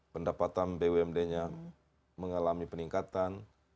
pendapatan bumd nya mengalami peningkatan